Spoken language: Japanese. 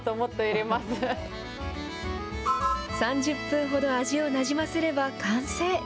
３０分ほど味をなじませれば、完成。